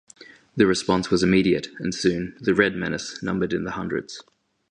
The response was immediate, and soon, "The Red Menace" numbered in the hundreds.